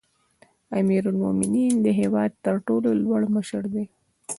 امیرالمؤمنین د هیواد تر ټولو لوړ مشر دی